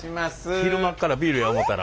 昼間っからビールや思うたら。